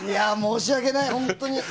申し訳ない、本当に。